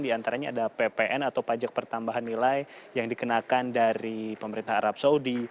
di antaranya ada ppn atau pajak pertambahan nilai yang dikenakan dari pemerintah arab saudi